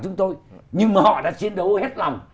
chúng tôi nhưng mà họ đã chiến đấu hết lòng